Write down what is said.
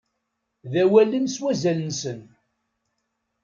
D awalen s wazal-nsen.